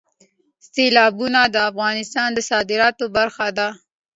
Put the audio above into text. سیلابونه د افغانستان د صادراتو برخه ده.